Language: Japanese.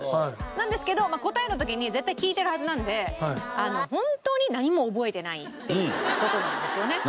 なんですけど答えの時に絶対聴いてるはずなので本当に何も覚えてないっていう事なんですよね。